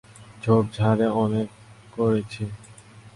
ঝোপঝাড়ে অনেক করেছি।